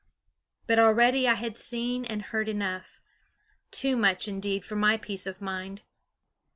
But already I had seen and heard enough; too much, indeed, for my peace of mind.